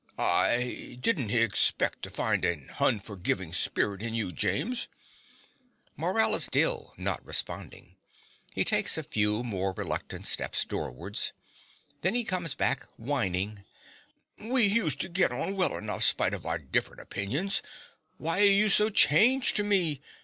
I didn't hexpect to find a hunforgivin' spirit in you, James. (Morell still not responding, he takes a few more reluctant steps doorwards. Then he comes back whining.) We huseter git on well enough, spite of our different opinions. Why are you so changed to me?